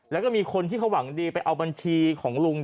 แล้วก็มีคนที่เขาหวังดีไปเอาบัญชีของลุง